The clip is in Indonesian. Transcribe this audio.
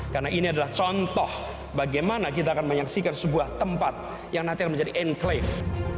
karena ini adalah contoh bagaimana kita akan menyaksikan sebuah tempat yang nanti akan menjadi enclave